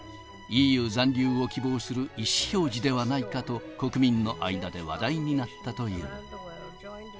ＥＵ残留を希望する意思表示ではないかと国民の間で話題になったという。